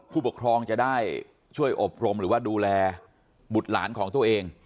ผู้ปกครองจะได้ช่วยอบรมหรือว่าดูแลบุตรหลานของตัวเอง